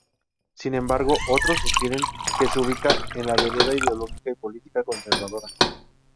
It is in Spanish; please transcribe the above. Sin embargo, otros sostienen que se ubica "en la vereda ideológica y política conservadora".